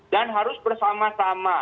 dan harus bersama sama